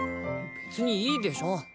別にいいでしょ。